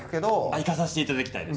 行かさせていただきたいです。